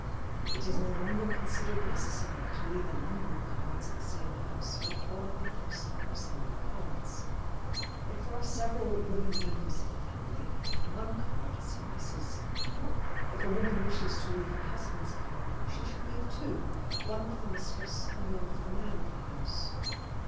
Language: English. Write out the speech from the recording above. It is no longer considered necessary to leave a number of cards at the same house when calling in person or sending cards. If there are several women members of the family one card suffices. If a woman wishes to leave her husband's card she should leave two, one for the mistress and one for the man of the house.